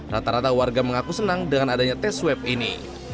rata rata warga mengaku senang dengan adanya tes swab ini